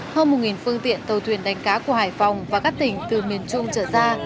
hơn một phương tiện tàu thuyền đánh cá của hải phòng và các tỉnh từ miền trung trở ra